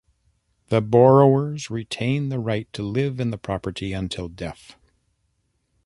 The borrowers retain the right to live in the property until death.